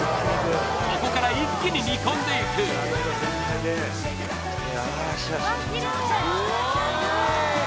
ここから一気に煮込んでいくよしよし